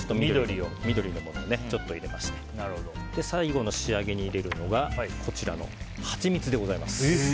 緑のものをちょっと入れまして最後の仕上げに入れるのがはちみつでございます。